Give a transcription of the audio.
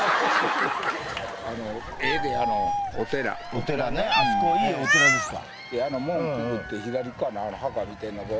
お寺ねあそこいいお寺ですか？